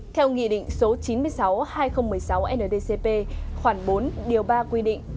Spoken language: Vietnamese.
theo nghị định số chín mươi sáu hai nghìn một mươi sáu ndcp khoảng bốn điều ba quy định